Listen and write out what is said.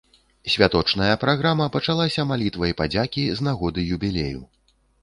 Святочная праграма пачалася малітвай падзякі з нагоды юбілею.